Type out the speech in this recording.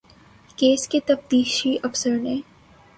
case کے تفتیشی افسر نے